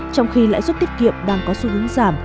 trong khi lãi suất tiết kiệm đang có xu hướng giảm